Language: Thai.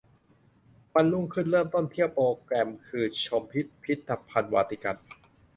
วันรุ่งขึ้นเริ่มต้นเที่ยวโปรแกรมคือชม พิพิทธภัณฑ์วาติกัน